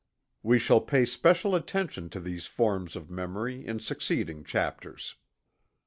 We shall pay special attention to these forms of memory, in succeeding chapters.